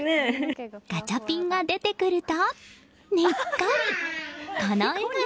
ガチャピンが出てくるとにっこり！